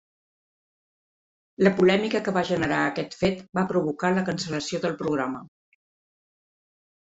La polèmica que va generar aquest fet va provocar la cancel·lació del programa.